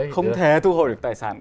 không thể thu hồi được tài sản